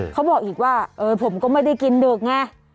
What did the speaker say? เขาบอกอีกว่าผมก็ไม่ได้กินดึกไง